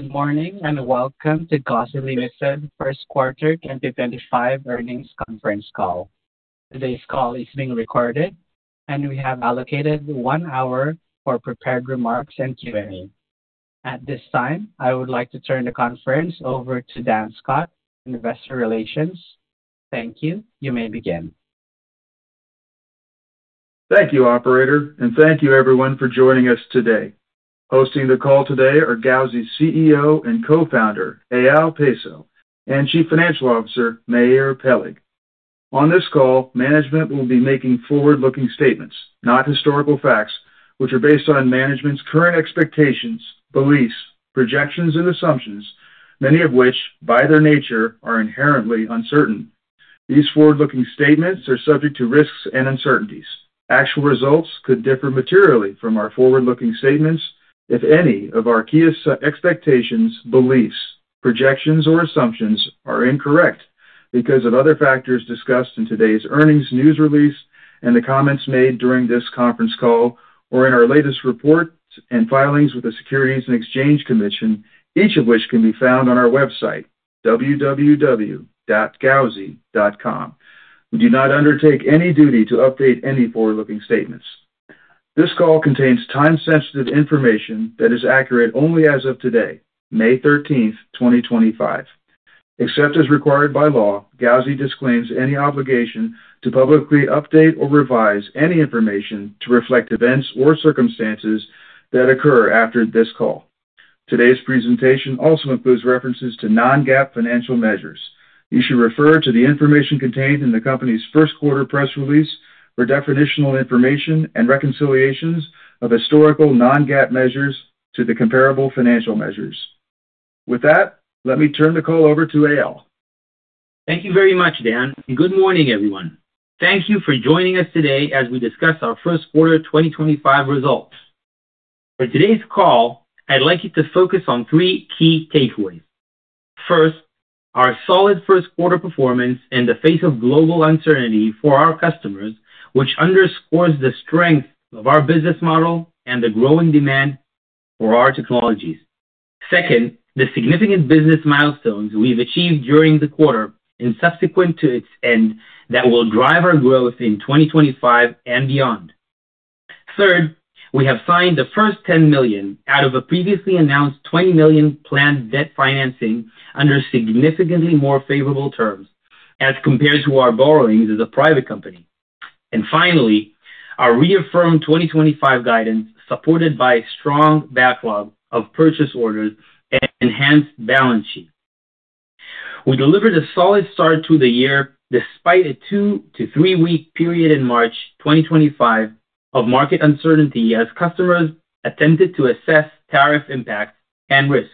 Good morning and welcome to Gauzy Ltd first quarter 2025 earnings conference call. Today's call is being recorded, and we have allocated one hour for prepared remarks and Q&A. At this time, I would like to turn the conference over to Dan Scott, investor relations. Thank you. You may begin. Thank you, Operator, and thank you, everyone, for joining us today. Hosting the call today are Gauzy's CEO and Co-founder, Eyal Peso, and Chief Financial Officer, Meir Peleg. On this call, management will be making forward-looking statements, not historical facts, which are based on management's current expectations, beliefs, projections, and assumptions, many of which, by their nature, are inherently uncertain. These forward-looking statements are subject to risks and uncertainties. Actual results could differ materially from our forward-looking statements if any of our key expectations, beliefs, projections, or assumptions are incorrect because of other factors discussed in today's earnings news release and the comments made during this conference call, or in our latest reports and filings with the Securities and Exchange Commission, each of which can be found on our website, www.gauzy.com. We do not undertake any duty to update any forward-looking statements. This call contains time-sensitive information that is accurate only as of today, May 13th, 2025. Except as required by law, Gauzy disclaims any obligation to publicly update or revise any information to reflect events or circumstances that occur after this call. Today's presentation also includes references to non-GAAP financial measures. You should refer to the information contained in the company's first quarter press release for definitional information and reconciliations of historical non-GAAP measures to the comparable financial measures. With that, let me turn the call over to Eyal. Thank you very much, Dan. Good morning, everyone. Thank you for joining us today as we discuss our first quarter 2025 results. For today's call, I'd like you to focus on three key takeaways. First, our solid first quarter performance in the face of global uncertainty for our customers, which underscores the strength of our business model and the growing demand for our technologies. Second, the significant business milestones we've achieved during the quarter and subsequent to its end that will drive our growth in 2025 and beyond. Third, we have signed the first $10 million out of a previously announced $20 million planned debt financing under significantly more favorable terms as compared to our borrowings as a private company. Finally, our reaffirmed 2025 guidance supported by a strong backlog of purchase orders and enhanced balance sheet. We delivered a solid start to the year despite a two- to three-week period in March 2025 of market uncertainty as customers attempted to assess tariff impact and risks.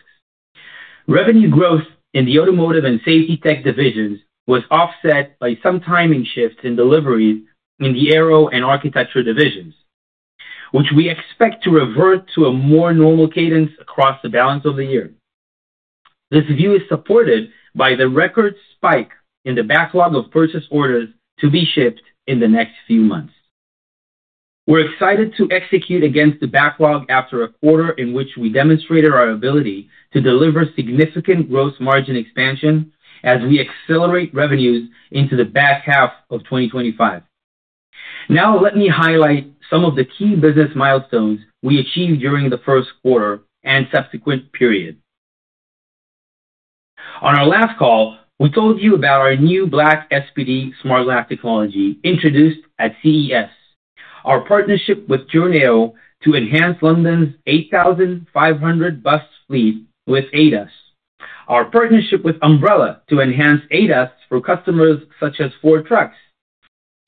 Revenue growth in the automotive and Safety Tech divisions was offset by some timing shifts in deliveries in the aero and architecture divisions, which we expect to revert to a more normal cadence across the balance of the year. This view is supported by the record spike in the backlog of purchase orders to be shipped in the next few months. We're excited to execute against the backlog after a quarter in which we demonstrated our ability to deliver significant gross margin expansion as we accelerate revenues into the back half of 2025. Now, let me highlight some of the key business milestones we achieved during the first quarter and subsequent period. On our last call, we told you about our new black SPD Smart Glass technology introduced at CES, our partnership with Journeo to enhance London's 8,500 bus fleet with ADAS, our partnership with Ambarella to enhance ADAS for customers such as Ford Trucks,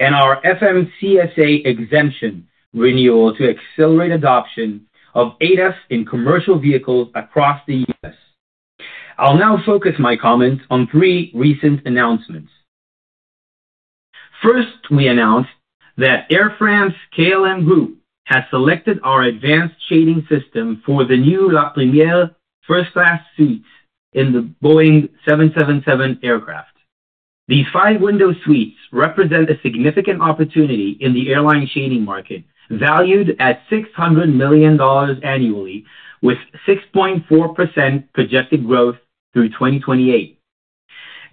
and our FMCSA exemption renewal to accelerate adoption of ADAS in commercial vehicles across the U.S. I'll now focus my comments on three recent announcements. First, we announced that Air France-KLM Group has selected our advanced shading system for the new La Première first class suites in the Boeing 777 aircraft. These five window suites represent a significant opportunity in the airline shading market, valued at $600 million annually, with 6.4% projected growth through 2028.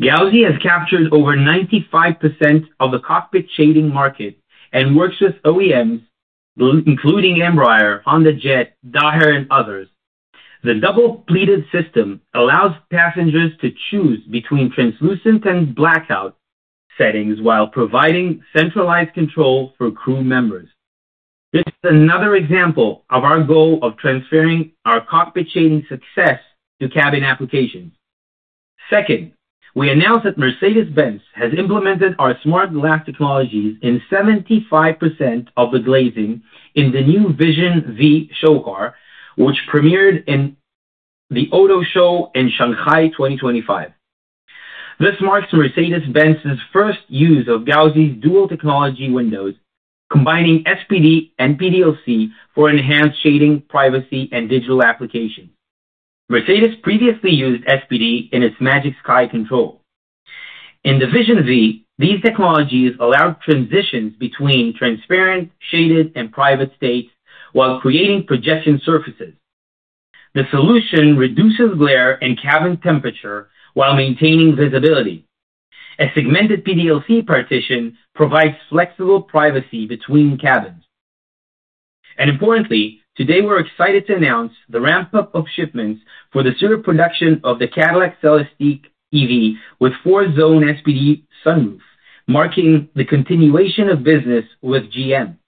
Gauzy has captured over 95% of the cockpit shading market and works with OEMs, including Embraer, HondaJet, Daher, and others. The double-pleated system allows passengers to choose between translucent and blackout settings while providing centralized control for crew members. This is another example of our goal of transferring our cockpit shading success to cabin applications. Second, we announced that Mercedes-Benz has implemented our Smart Glass technology in 75% of the glazing in the new Vision V chauffeur, which premiered in the Auto Show in Shanghai 2025. This marks Mercedes-Benz's first use of Gauzy's dual technology windows, combining SPD and PDLC for enhanced shading, privacy, and digital applications. Mercedes previously used SPD in its Magic Sky Control. In the Vision V, these technologies allowed transitions between transparent, shaded, and private states while creating projection surfaces. The solution reduces glare and cabin temperature while maintaining visibility. A segmented PDLC partition provides flexible privacy between cabins. Importantly, today we're excited to announce the ramp-up of shipments for the serial production of the Cadillac Celestiq EV with four-zone SPD sunroof, marking the continuation of business with GM.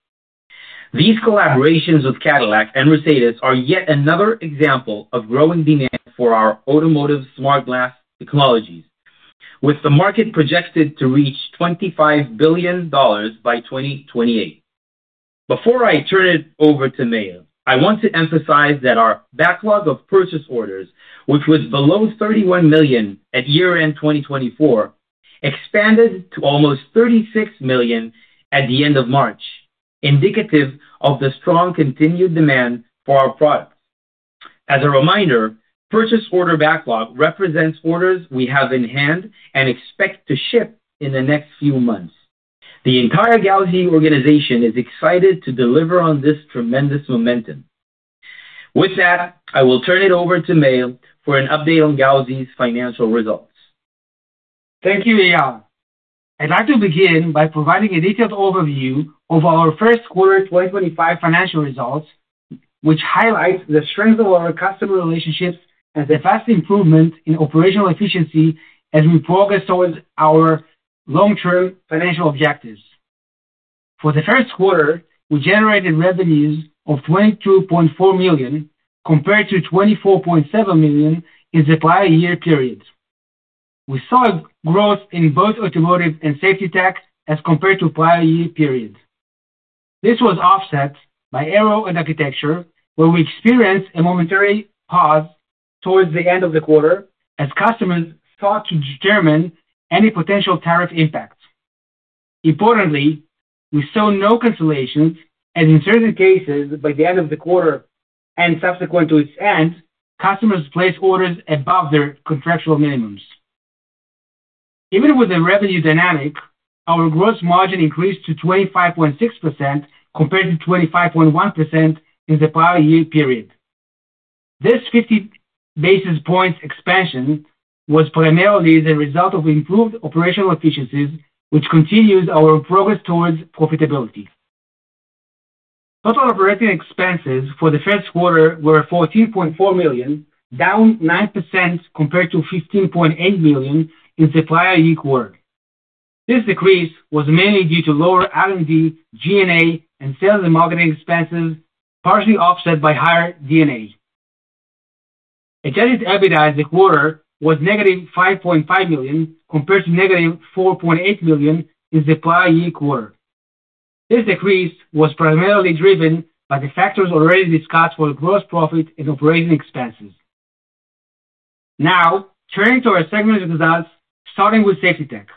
These collaborations with Cadillac and Mercedes are yet another example of growing demand for our automotive Smart Glass technologies, with the market projected to reach $25 billion by 2028. Before I turn it over to Meir, I want to emphasize that our backlog of purchase orders, which was below $31 million at year-end 2024, expanded to almost $36 million at the end of March, indicative of the strong continued demand for our products. As a reminder, purchase order backlog represents orders we have in hand and expect to ship in the next few months. The entire Gauzy organization is excited to deliver on this tremendous momentum. With that, I will turn it over to Meir for an update on Gauzy's financial results. Thank you, Eyal. I'd like to begin by providing a detailed overview of our first quarter 2025 financial results, which highlights the strength of our customer relationships and the fast improvement in operational efficiency as we progress towards our long-term financial objectives. For the first quarter, we generated revenues of $22.4 million compared to $24.7 million in the prior year period. We saw growth in both automotive and Safety Tech as compared to the prior year period. This was offset by aero and architecture, where we experienced a momentary pause towards the end of the quarter as customers sought to determine any potential tariff impact. Importantly, we saw no cancellations, as in certain cases, by the end of the quarter and subsequent to its end, customers placed orders above their contractual minimums. Even with the revenue dynamic, our gross margin increased to 25.6% compared to 25.1% in the prior year period. This 50 basis points expansion was primarily the result of improved operational efficiencies, which continues our progress towards profitability. Total operating expenses for the first quarter were $14.4 million, down 9% compared to $15.8 million in the prior year quarter. This decrease was mainly due to lower R&D, G&A, and sales and marketing expenses, partially offset by higher D&A. EBITDA in the quarter was -$5.5 million compared to -$4.8 million in the prior year quarter. This decrease was primarily driven by the factors already discussed for gross profit and operating expenses. Now, turning to our segment results, starting with Safety Tech.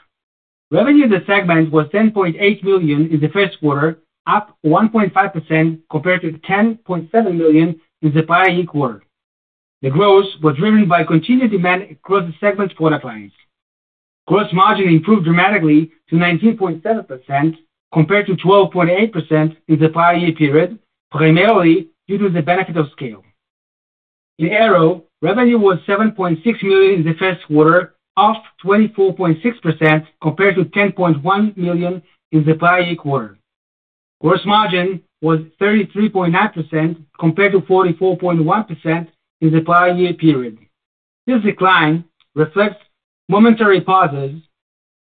Revenue in the segment was $10.8 million in the first quarter, up 1.5% compared to $10.7 million in the prior year quarter. The growth was driven by continued demand across the segment product lines. Gross margin improved dramatically to 19.7% compared to 12.8% in the prior year period, primarily due to the benefit of scale. In aero, revenue was $7.6 million in the first quarter, off 24.6% compared to $10.1 million in the prior year quarter. Gross margin was 33.9% compared to 44.1% in the prior year period. This decline reflects momentary pauses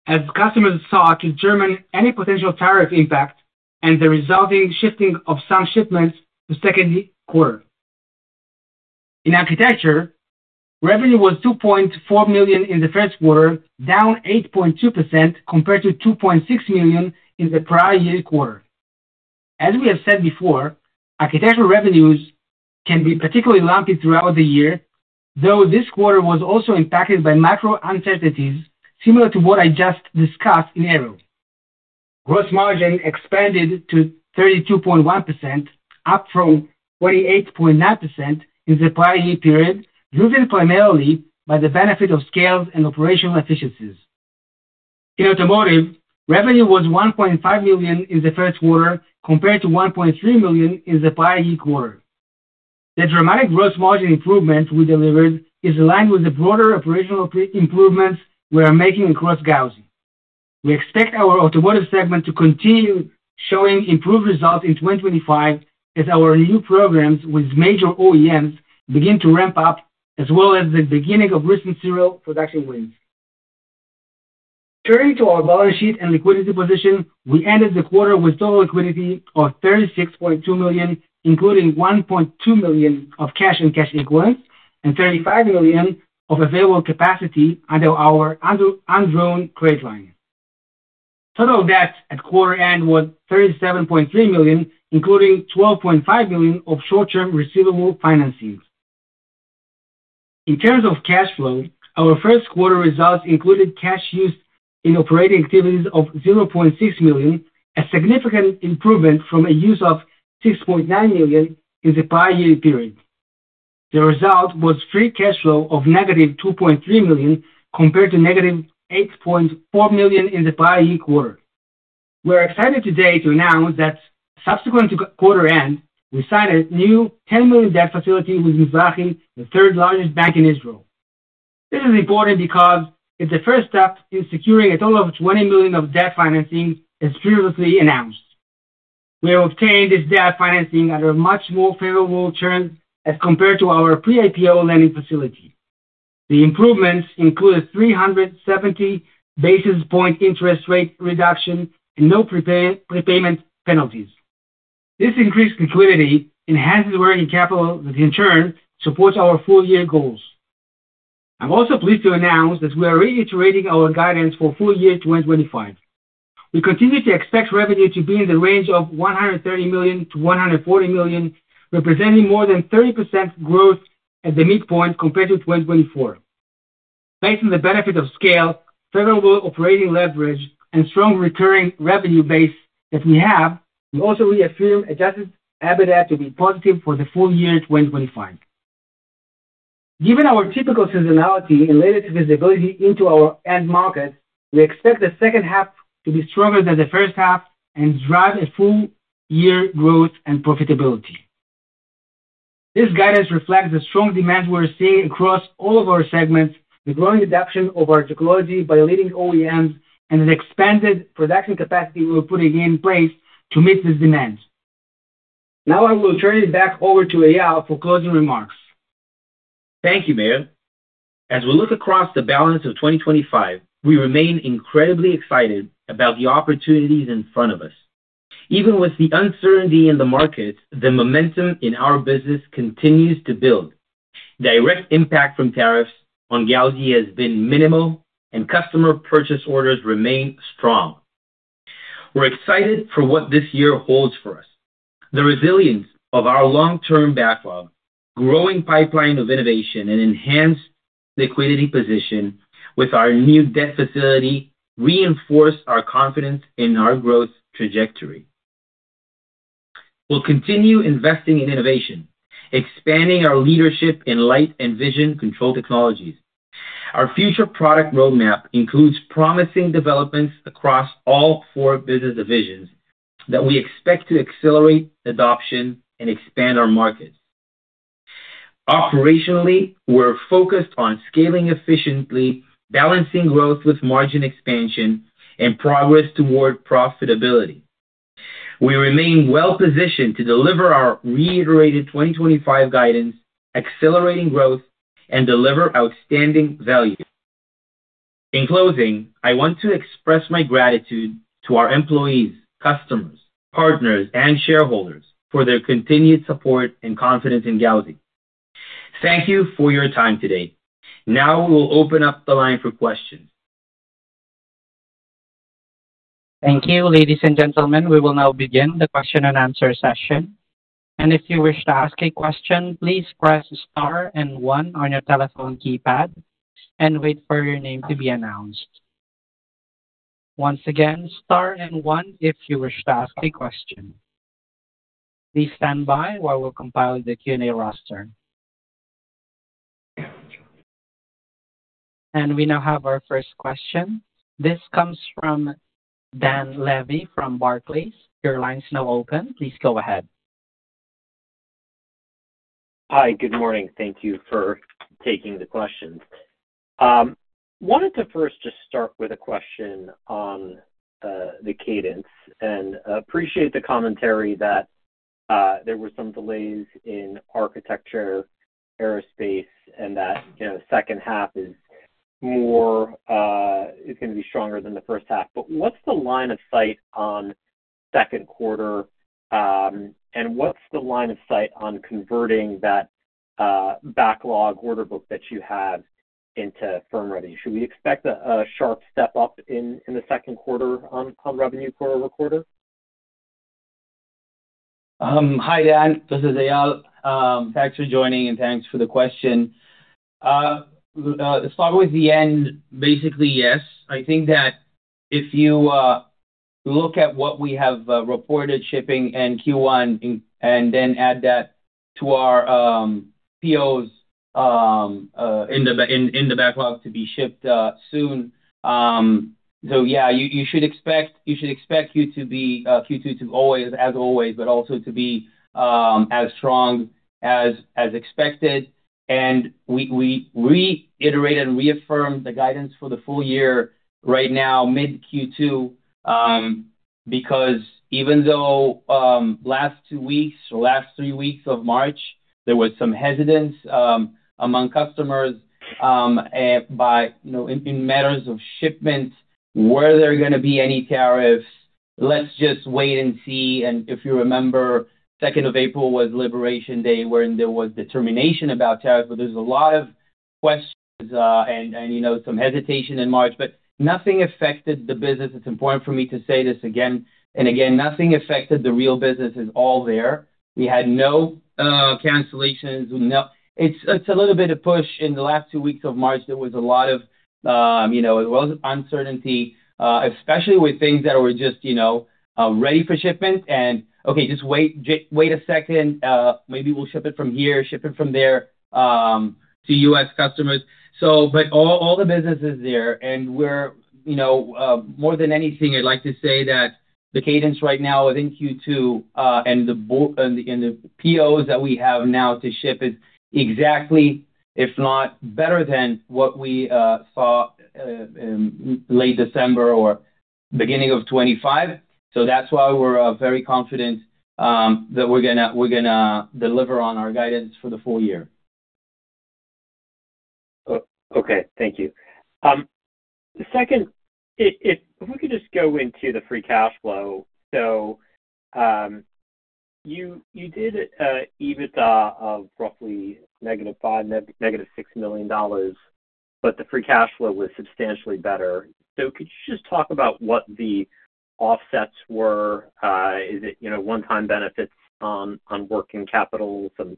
as customers sought to determine any potential tariff impact and the resulting shifting of some shipments to second quarter. In architecture, revenue was $2.4 million in the first quarter, down 8.2% compared to $2.6 million in the prior year quarter. As we have said before, architectural revenues can be particularly lumpy throughout the year, though this quarter was also impacted by macro uncertainties similar to what I just discussed in aero. Gross margin expanded to 32.1%, up from 28.9% in the prior year period, driven primarily by the benefit of scale and operational efficiencies. In automotive, revenue was $1.5 million in the first quarter compared to $1.3 million in the prior year quarter. The dramatic gross margin improvement we delivered is aligned with the broader operational improvements we are making across Gauzy. We expect our automotive segment to continue showing improved results in 2025 as our new programs with major OEMs begin to ramp up, as well as the beginning of recent serial production wins. Turning to our balance sheet and liquidity position, we ended the quarter with total liquidity of $36.2 million, including $1.2 million of cash and cash equivalents, and $35 million of available capacity under our undrawn credit line. Total debt at quarter end was $37.3 million, including $12.5 million of short-term receivable financing. In terms of cash flow, our first quarter results included cash used in operating activities of $0.6 million, a significant improvement from a use of $6.9 million in the prior year period. The result was free cash flow of -$2.3 million compared to -$8.4 million in the prior year quarter. We are excited today to announce that subsequent to quarter end, we signed a new $10 million debt facility with Mizrahi, the third largest bank in Israel. This is important because it's the first step in securing a total of $20 million of debt financing, as previously announced. We have obtained this debt financing under much more favorable terms as compared to our pre-IPO lending facility. The improvements include a 370 basis point interest rate reduction and no prepayment penalties. This increased liquidity enhances working capital, which in turn supports our full-year goals. I'm also pleased to announce that we are reiterating our guidance for full year 2025. We continue to expect revenue to be in the range of $130 million-$140 million, representing more than 30% growth at the midpoint compared to 2024. Based on the benefit of scale, favorable operating leverage, and strong recurring revenue base that we have, we also reaffirm adjusted EBITDA to be positive for the full year 2025. Given our typical seasonality and limited visibility into our end markets, we expect the second half to be stronger than the first half and drive a full-year growth and profitability. This guidance reflects the strong demand we're seeing across all of our segments, the growing adoption of our technology by leading OEMs, and the expanded production capacity we're putting in place to meet this demand. Now, I will turn it back over to Eyal for closing remarks. Thank you, Meir. As we look across the balance of 2025, we remain incredibly excited about the opportunities in front of us. Even with the uncertainty in the market, the momentum in our business continues to build. Direct impact from tariffs on Gauzy has been minimal, and customer purchase orders remain strong. We're excited for what this year holds for us. The resilience of our long-term backlog, growing pipeline of innovation, and enhanced liquidity position with our new debt facility reinforce our confidence in our growth trajectory. We'll continue investing in innovation, expanding our leadership in light and vision control technologies. Our future product roadmap includes promising developments across all four business divisions that we expect to accelerate adoption and expand our markets. Operationally, we're focused on scaling efficiently, balancing growth with margin expansion, and progress toward profitability. We remain well-positioned to deliver our reiterated 2025 guidance, accelerating growth, and deliver outstanding value. In closing, I want to express my gratitude to our employees, customers, partners, and shareholders for their continued support and confidence in Gauzy. Thank you for your time today. Now, we will open up the line for questions. Thank you, ladies and gentlemen. We will now begin the question and answer session. If you wish to ask a question, please press star and one on your telephone keypad and wait for your name to be announced. Once again, star and one if you wish to ask a question. Please stand by while we compile the Q&A roster. We now have our first question. This comes from Dan Levy from Barclays. Please go ahead. Hi, good morning. Thank you for taking the question. I wanted to first just start with a question on the cadence and appreciate the commentary that there were some delays in architecture, aerospace, and that the second half is going to be stronger than the first half. What is the line of sight on the second quarter? What is the line of sight on converting that backlog order book that you have into firm revenue? Should we expect a sharp step up in the second quarter on revenue [quarter-over-quarter]? Hi, Dan. This is Eyal. Thanks for joining and thanks for the question. To start with the end, basically, yes. I think that if you look at what we have reported shipping in Q1, and then add that to our POs in the backlog to be shipped soon. Yeah, you should expect Q2 to be as always, but also to be as strong as expected. We reiterate and reaffirm the guidance for the full year right now, mid-Q2, because even though last two weeks or last three weeks of March, there was some hesitance among customers in matters of shipment, were there going to be any tariffs? Let's just wait and see. If you remember, 2nd of April was Liberation Day, when there was determination about tariffs. There are a lot of questions and some hesitation in March, but nothing affected the business. It's important for me to say this again and again. Nothing affected the real business. It's all there. We had no cancellations. It's a little bit of push. In the last two weeks of March, there was a lot of, it was uncertainty, especially with things that were just ready for shipment. Okay, just wait a second. Maybe we'll ship it from here, ship it from there to U.S. customers. All the business is there. More than anything, I'd like to say that the cadence right now within Q2 and the POs that we have now to ship is exactly, if not better than what we saw late December or beginning of 2025. That's why we're very confident that we're going to deliver on our guidance for the full year. Okay. Thank you. Second, if we could just go into the free cash flow. You did EBITDA of roughly -$5 million, -$6 million, but the free cash flow was substantially better. Could you just talk about what the offsets were? Is it one-time benefits on working capital and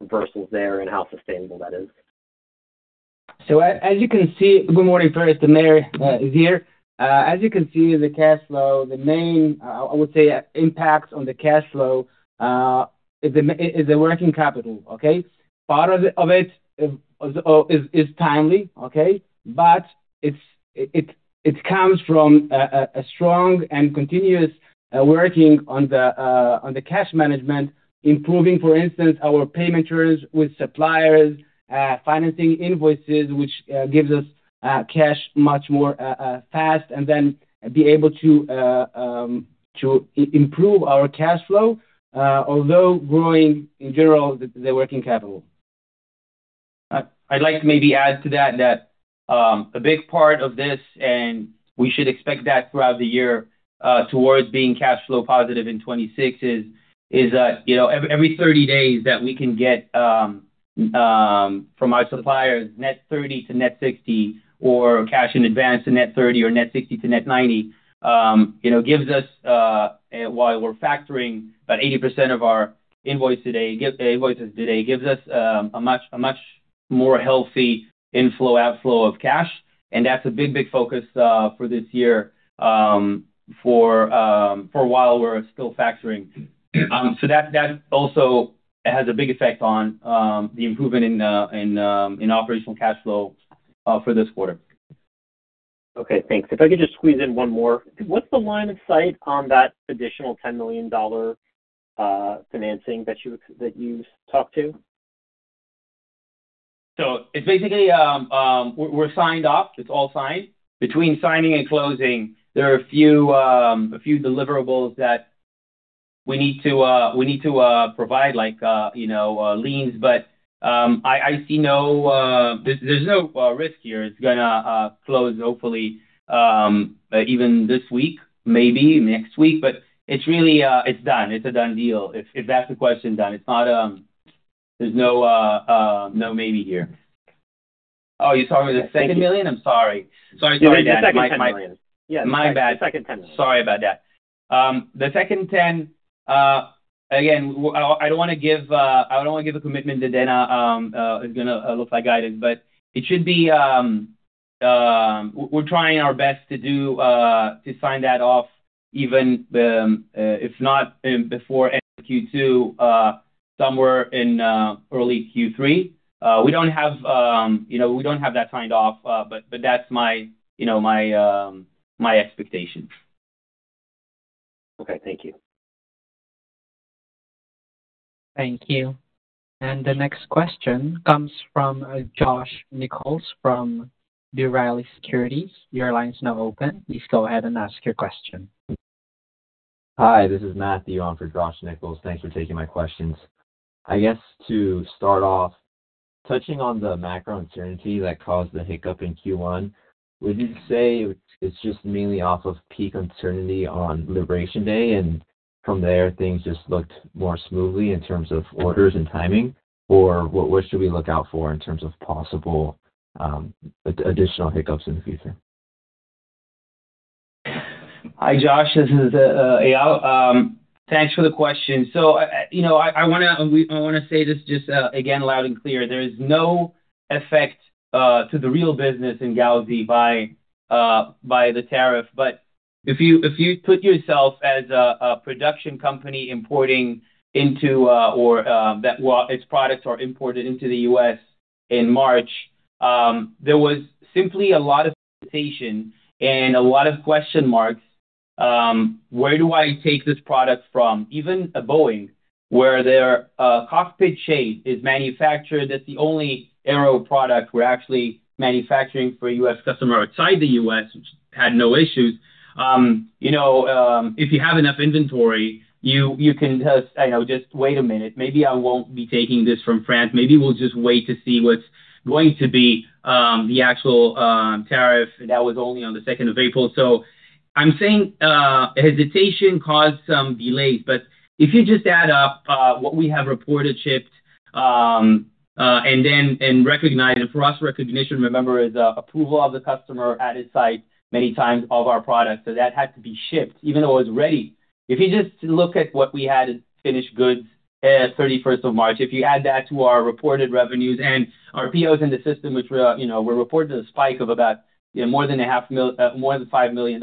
reversals there and how sustainable that is? As you can see, good morning [first, and Meir is] here. As you can see, the cash flow, the main, I would say, impact on the cash flow is the working capital, okay? Part of it is timely, okay? It comes from a strong and continuous working on the cash management, improving, for instance, our payment terms with suppliers, financing invoices, which gives us cash much more fast, and then be able to improve our cash flow, although growing in general the working capital. I'd like to maybe add to that that a big part of this—and we should expect that throughout the year towards being cash flow positive in 2026—is that every 30 days that we can get from our suppliers, net 30-net 60, or cash in advance to net 30 or net 60 to net 90, gives us, while we're factoring about 80% of our invoices today, gives us a much more healthy inflow-outflow of cash. That's a big, big focus for this year for a while we're still factoring. That also has a big effect on the improvement in operational cash flow for this quarter. Okay. Thanks. If I could just squeeze in one more. What's the line of sight on that additional $10 million financing that you talked to? It's basically we're signed off. It's all signed. Between signing and closing, there are a few deliverables that we need to provide, like liens, but I see no—there's no risk here. It's going to close, hopefully, even this week, maybe next week, but it's done. It's a done deal, if that's the question, done. There's no maybe here. Oh, you're talking about the second million? I'm sorry. Sorry. Sorry. Just the second $10 million. My bad. Just the second $10 million. Sorry about that. The second $10 million, again, I do not want to give—I do not want to give a commitment that then is going to look like guidance, but it should be—we are trying our best to sign that off, even if not before end of Q2, somewhere in early Q3. We do not have—we do not have that signed off, but that is my expectation. Okay. Thank you. Thank you. The next question comes from Josh Nichols from B. Riley Securities, Your line is now open. Please go ahead and ask your question. Hi, this is Matthew on for Josh Nichols. Thanks for taking my questions. I guess to start off, touching on the macro uncertainty that caused the hiccup in Q1, would you say it's just mainly off of peak uncertainty on Liberation Day? From there, things just looked more smoothly in terms of orders and timing? What should we look out for in terms of possible additional hiccups in the future? Hi, Josh. This is Eyal. Thanks for the question. I want to say this just again, loud and clear. There is no effect to the real business in Gauzy by the tariff. If you put yourself as a production company importing into—or its products are imported into the U.S. in March, there was simply a lot of hesitation and a lot of question marks. Where do I take this product from? Even a Boeing, where their cockpit shade is manufactured, that's the only aero product we're actually manufacturing for a U.S. customer outside the U.S., had no issues. If you have enough inventory, you can just wait a minute. Maybe I won't be taking this from France. Maybe we'll just wait to see what's going to be the actual tariff. That was only on the 2nd of April. I'm saying hesitation caused some delays. If you just add up what we have reported shipped and then recognized, and for us, recognition, remember, is approval of the customer at his site many times of our product. That had to be shipped even though it was ready. If you just look at what we had as finished goods 31st of March, if you add that to our reported revenues and our POs in the system, which we are reporting a spike of about more than half—more than $5 million,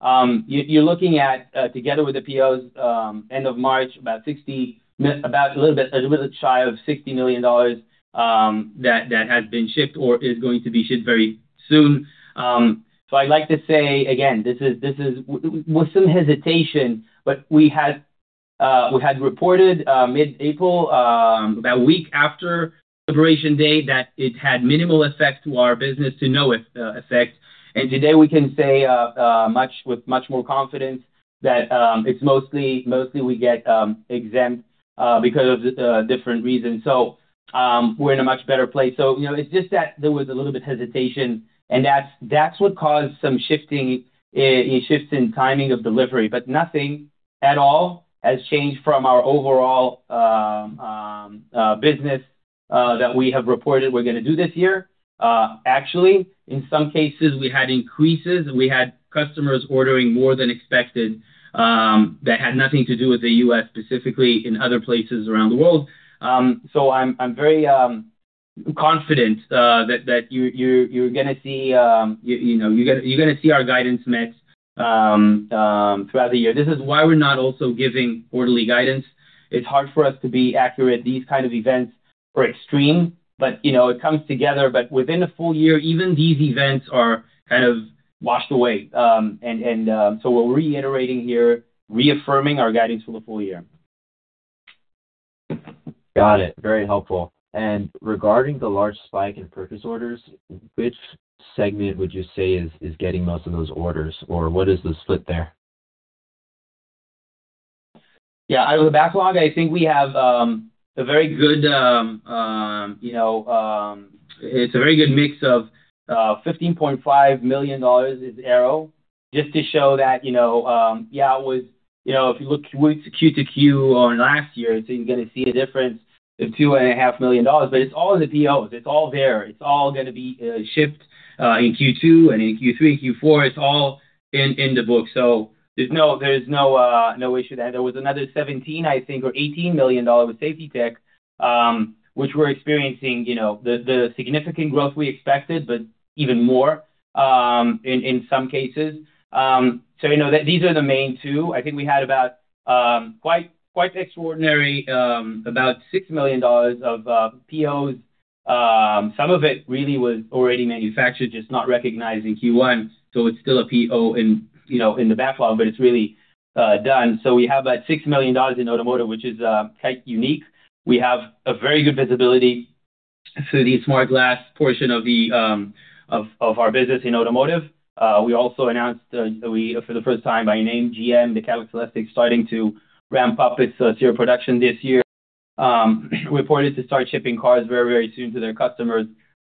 you are looking at, together with the POs, end of March, about a little bit shy of $60 million that has been shipped or is going to be shipped very soon. I would like to say, again, this is with some hesitation, but we had reported mid-April, about a week after Liberation Day, that it had minimal effect to our business, to no effect. Today, we can say with much more confidence that it's mostly we get exempt because of different reasons. We are in a much better place. There was a little bit of hesitation, and that is what caused some shifts in timing of delivery. Nothing at all has changed from our overall business that we have reported we are going to do this year. Actually, in some cases, we had increases. We had customers ordering more than expected that had nothing to do with the U.S., specifically in other places around the world. I am very confident that you are going to see our guidance met throughout the year. This is why we are not also giving quarterly guidance. It is hard for us to be accurate. These kinds of events are extreme, but it comes together. Within the full year, even these events are kind of washed away. And so we're reiterating here, reaffirming our guidance for the full year. Got it. Very helpful. Regarding the large spike in purchase orders, which segment would you say is getting most of those orders? Or what is the split there? Yeah. The backlog, I think we have a very good—it's a very good mix of $15.5 million is aero just to show that, yeah, it was—if you look Q-Q last year, you are going to see a difference of $2.5 million. It is all in the POs. It is all there. It is all going to be shipped in Q2 and in Q3 and Q4. It is all in the book. There is no issue there. There was another $17 million, I think, or $18 million with Safety Tech, which we are experiencing the significant growth we expected, but even more in some cases. These are the main two. I think we had about quite extraordinary, about $6 million of POs. Some of it really was already manufactured, just not recognized in Q1. It is still a PO in the backlog, but it is really done. We have about $6 million in automotive, which is quite unique. We have a very good visibility through the Smart Glass portion of our business in automotive. We also announced for the first time by name GM, the characteristics, starting to ramp up its serial production this year, reported to start shipping cars very, very soon to their customers.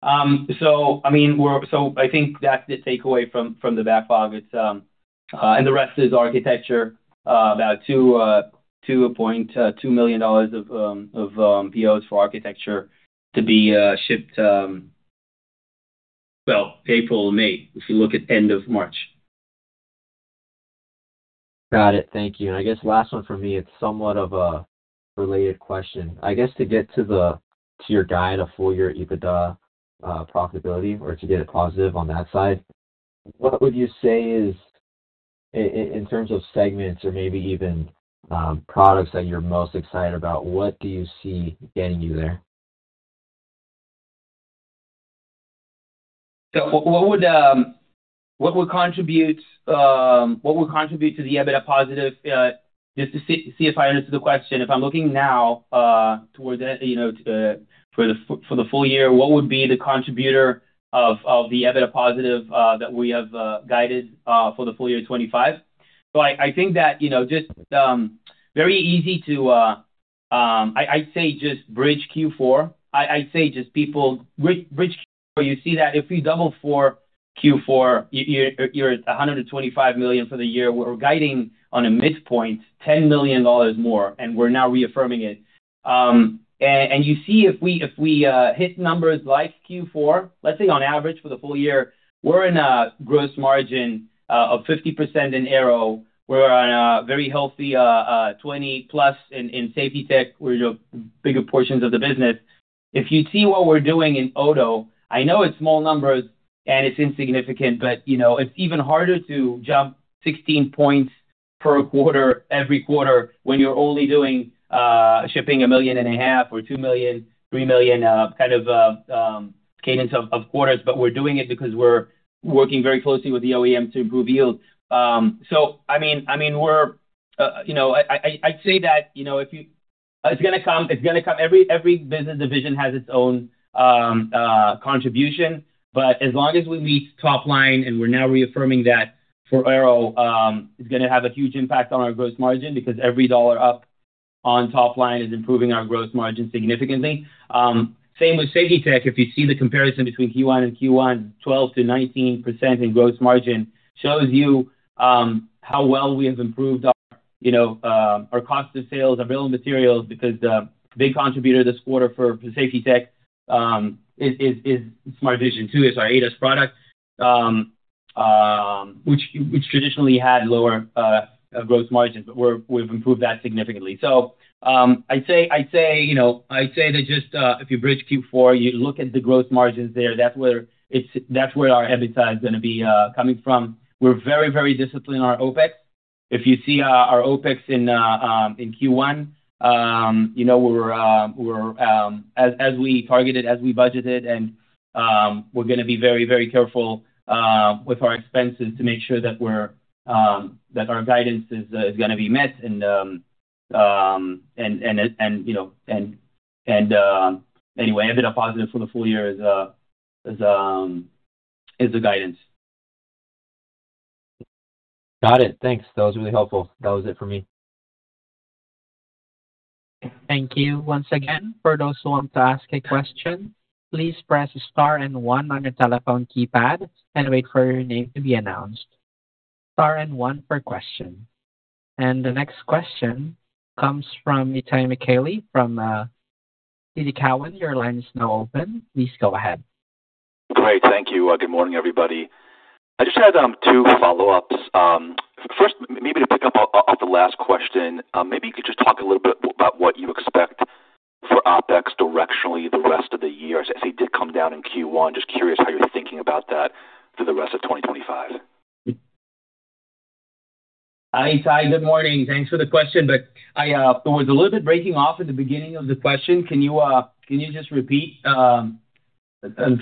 I mean, I think that's the takeaway from the backlog. The rest is architecture, about $2.2 million of POs for architecture to be shipped, April, May, if you look at end of March. Got it. Thank you. I guess last one for me, it's somewhat of a related question. I guess to get to your guide of full year EBITDA profitability or to get it positive on that side, what would you say is, in terms of segments or maybe even products that you're most excited about, what do you see getting you there? What would contribute to the EBITDA positive? Just to see if I understood the question. If I'm looking now towards for the full year, what would be the contributor of the EBITDA positive that we have guided for the full year 2025? I think that just very easy to—I'd say just bridge Q4. I'd say just people bridge Q4. You see that if we double for Q4, you're at $125 million for the year. We're guiding on a midpoint, $10 million more, and we're now reaffirming it. You see if we hit numbers like Q4, let's say on average for the full year, we're in a gross margin of 50% in aero. We're on a very healthy 20%+ in Safety Tech. We're bigger portions of the business. If you see what we're doing in auto, I know it's small numbers and it's insignificant, but it's even harder to jump 16 points per quarter, every quarter, when you're only doing shipping 1.5 million or 2 million, 3 million kind of cadence of quarters. But we're doing it because we're working very closely with the OEM to improve yield. I mean, I'd say that if you—it's going to come—every business division has its own contribution. As long as we meet top line and we're now reaffirming that for aero, it's going to have a huge impact on our gross margin because every dollar up on top line is improving our gross margin significantly. Same with Safety Tech. If you see the comparison between Q1 and Q1, 12%-19% in gross margin shows you how well we have improved our cost of sales, our bill of materials, because the big contributor this quarter for Safety Tech is [Smart-Vision 2], is our ADAS product, which traditionally had lower gross margins, but we've improved that significantly. I'd say that just if you bridge Q4, you look at the gross margins there, that's where our EBITDA is going to be coming from. We're very, very disciplined in our OpEx. If you see our OpEx in Q1, we're as we targeted, as we budgeted, and we're going to be very, very careful with our expenses to make sure that our guidance is going to be met. Anyway, EBITDA positive for the full year is the guidance. Got it. Thanks. That was really helpful. That was it for me. Thank you. Once again, for those who want to ask a question, please press star and one on your telephone keypad and wait for your name to be announced. Star and one for question. The next question comes from Itay Michaeli from TD Cowen. Your line is now open. Please go ahead. Great. Thank you. Good morning, everybody. I just had two follow-ups. First, maybe to pick up off the last question, maybe you could just talk a little bit about what you expect for OpEx directionally the rest of the year, as they did come down in Q1? Just curious how you're thinking about that for the rest of 2025. Hi, Itay. Good morning. Thanks for the question. I was a little bit breaking off at the beginning of the question. Can you just repeat? I'm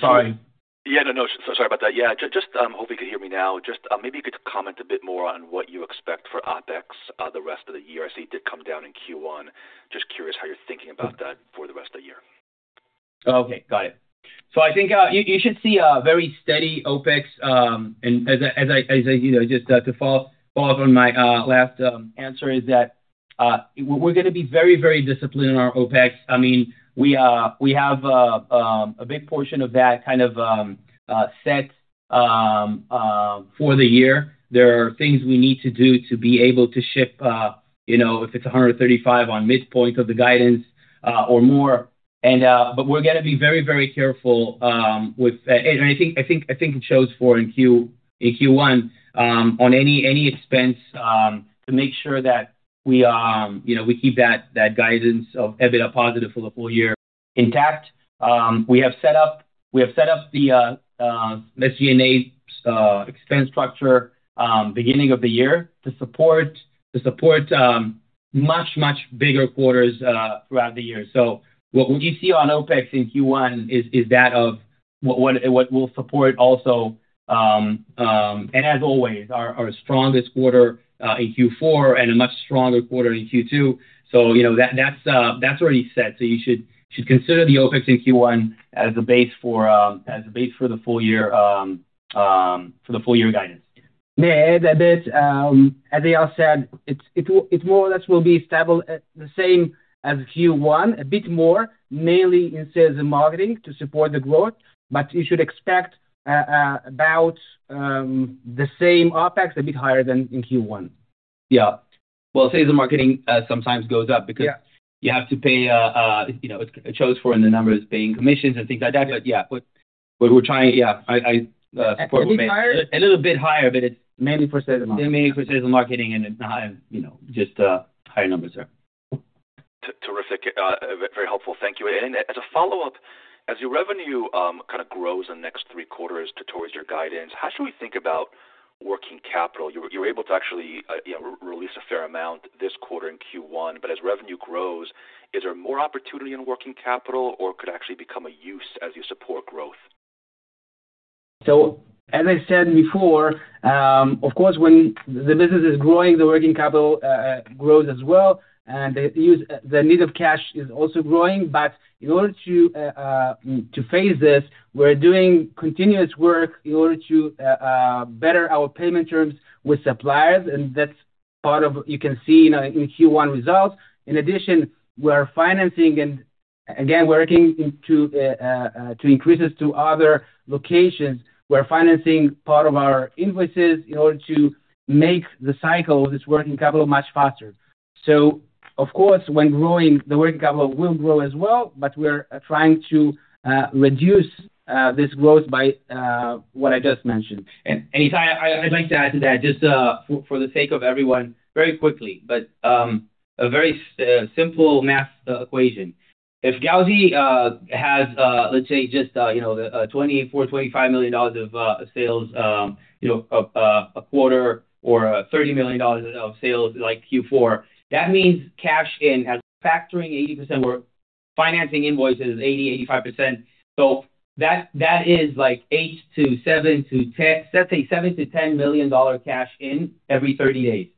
sorry. Yeah. No, no. Sorry about that. Yeah. Just hope you can hear me now. Maybe you could comment a bit more on what you expect for OpEx the rest of the year, as they did come down in Q1? Just curious how you're thinking about that for the rest of the year. Okay. Got it. I think you should see a very steady OpEx. As I just to follow-up on my last answer, we're going to be very, very disciplined in our OpEx. I mean, we have a big portion of that kind of set for the year. There are things we need to do to be able to ship if it's $135 million on midpoint of the guidance or more. We're going to be very, very careful with—and I think it shows for in Q1—on any expense to make sure that we keep that guidance of EBITDA positive for the full year intact. We have set up the SG&A expense structure beginning of the year to support much, much bigger quarters throughout the year. What you see on OpEx in Q1 is that of what will support also—and as always, our strongest quarter in Q4 and a much stronger quarter in Q2. That is already set. You should consider the OpEx in Q1 as a base for the full year guidance. Yeah. Eyal said it more or less will be the same as Q1, a bit more, mainly in sales and marketing to support the growth. You should expect about the same OpEx, a bit higher than in Q1. Yeah. Sales and marketing sometimes goes up because you have to pay—it shows for in the numbers paying commissions and things like that. Yeah, I support a little bit higher, but it's mainly for sales and marketing. It's not just higher numbers there. Terrific. Very helpful. Thank you. As a follow-up, as your revenue kind of grows in the next three quarters towards your guidance, how should we think about working capital? You were able to actually release a fair amount this quarter in Q1. As revenue grows, is there more opportunity in working capital or could it actually become a use as you support growth? As I said before, of course, when the business is growing, the working capital grows as well. The need of cash is also growing. In order to phase this, we're doing continuous work in order to better our payment terms with suppliers. That's part of what you can see in Q1 results. In addition, we are financing, and again, working to increase this to other locations. We're financing part of our invoices in order to make the cycle of this working capital much faster. Of course, when growing, the working capital will grow as well. We're trying to reduce this growth by what I just mentioned. Eyal? I'd like to add to that just for the sake of everyone, very quickly, but a very simple math equation. If Gauzy has, let's say, just $24 million, $25 million of sales a quarter or $30 million of sales like Q4, that means cash in as factoring 80%. We're financing invoices 80%-85%. So that is like $7 million-$10 million cash in every 30 days.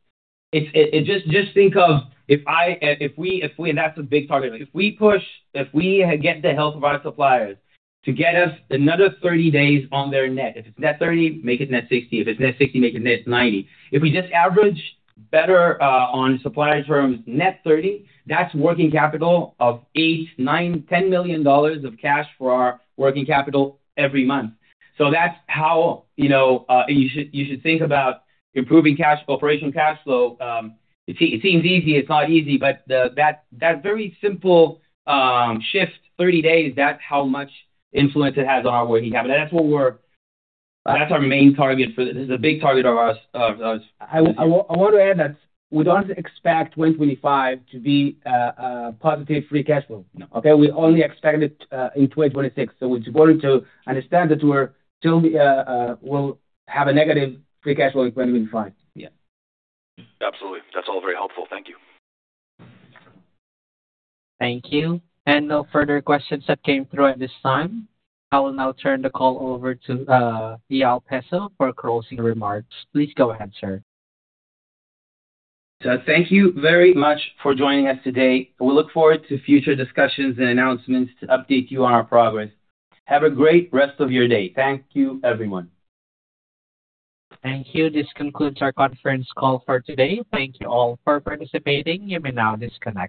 Just think of if we—and that's a big target. If we push, if we get the help of our suppliers to get us another 30 days on their net, if it's net 30, make it net 60. If it's net 60, make it net 90. If we just average better on supplier terms, net 30, that's working capital of $8 million, $9 million, $10 million of cash for our working capital every month. That's how you should think about improving operational cash flow. It seems easy. It's not easy. That very simple shift, 30 days, that's how much influence it has on our working capital. That's what we're—that's our main target for this. It's a big target of ours. I want to add that we don't expect 2025 to be a positive free cash flow. Okay? We only expect it in 2026. We're going to understand that we'll have a negative free cash flow in 2025. Yeah. Absolutely. That's all very helpful. Thank you. Thank you. No further questions that came through at this time. I will now turn the call over to Eyal Peso for closing remarks. Please go ahead, sir. Thank you very much for joining us today. We look forward to future discussions and announcements to update you on our progress. Have a great rest of your day. Thank you, everyone. Thank you. This concludes our conference call for today. Thank you all for participating. You may now disconnect.